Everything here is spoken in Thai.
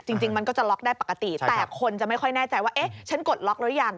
จริงมันก็จะล็อกได้ปกติแต่คนจะไม่ค่อยแน่ใจว่าเอ๊ะฉันกดล็อกหรือยัง